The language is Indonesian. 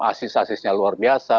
asis asisnya luar biasa